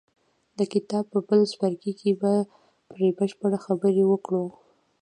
د کتاب په بل څپرکي کې به پرې بشپړې خبرې وکړو.